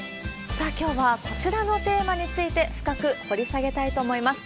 さあ、きょうはこちらのテーマについて、深く掘り下げたいと思います。